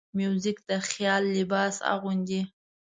موزیک د خیال لباس اغوندي.